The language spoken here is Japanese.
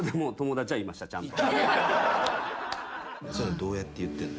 どうやって言ってんの？